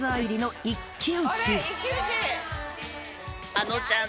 あのちゃん。